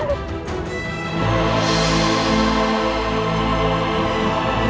aku tidak tahu